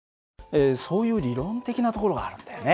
そういう理論的なところがあるんだよね。